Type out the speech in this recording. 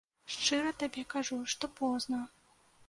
Шчыра табе скажу, што позна!